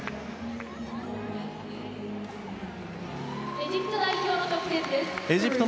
エジプトの得点です。